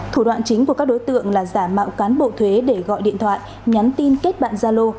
thủ đoạn chính của các đối tượng là giả mạo cán bộ thuế để gọi điện thoại nhắn tin kết bạn gia lô